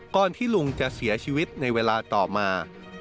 ที่ลุงจะเสียชีวิตในเวลาต่อมา